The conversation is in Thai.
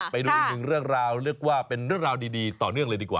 ไปดูอีกหนึ่งเรื่องราวเรียกว่าเป็นเรื่องราวดีต่อเนื่องเลยดีกว่า